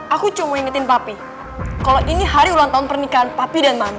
aku cuma ingetin papi kalau ini hari ulang tahun pernikahan papi dan mama